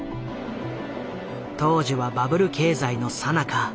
当時はバブル経済のさなか。